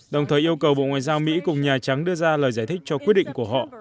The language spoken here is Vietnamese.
đồng thời yêu cầu bộ ngoại giao mỹ cùng nhà trắng đưa ra lời giải thích cho quyết định của họ